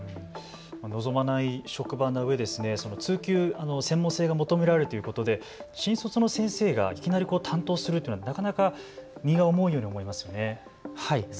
望まない職場なうえ通級、専門性が求められるということで新卒の先生がいきなり担当するというのはなかなか荷が重いように思いますね。